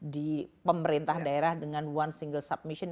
di pemerintah daerah dengan one single submission